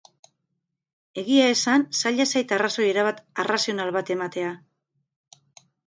Egia esan, zaila zait arrazoi erabat arrazional bat ematea.